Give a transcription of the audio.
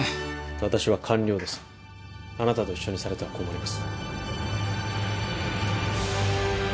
私は官僚ですあなたと一緒にされては困ります